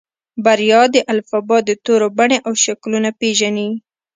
بريا د الفبا د تورو بڼې او شکلونه پېژني.